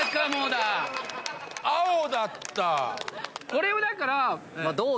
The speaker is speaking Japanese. これをだから。